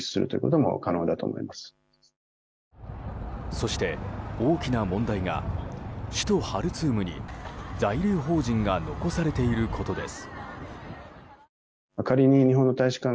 そして、大きな問題が首都ハルツームに在留邦人が残されていることです。